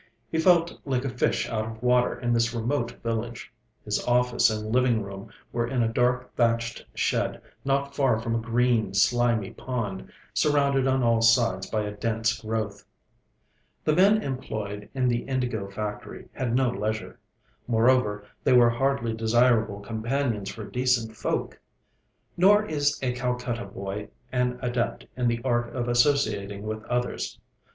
He felt like a fish out of water in this remote village. His office and living room were in a dark thatched shed, not far from a green, slimy pond, surrounded on all sides by a dense growth. The men employed in the indigo factory had no leisure; moreover, they were hardly desirable companions for decent folk. Nor is a Calcutta boy an adept in the art of associating with others.